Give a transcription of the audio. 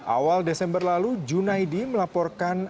awal desember lalu junaidi melaporkan